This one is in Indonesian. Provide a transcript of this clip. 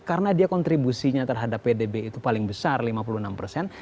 karena dia kontribusinya terhadap pdb itu paling besar lima puluh enam persen